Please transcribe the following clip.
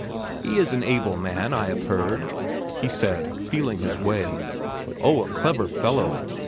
"He is an able man, I have heard?" he said, feeling his way. "Oh, a clever fellow!"